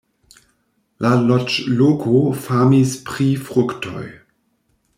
La loĝloko famis pri fruktoj.